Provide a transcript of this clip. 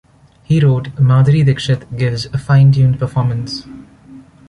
He wrote Mahduri Dixit gives a fine-tuned performance.